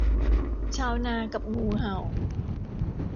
ชาวนากับงูเห่า